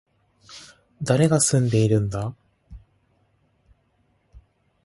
誰が住んでいるんだ